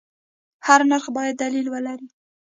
هر نرخ باید دلیل ولري.